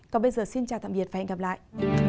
còn bây giờ xin chào tạm biệt và hẹn gặp lại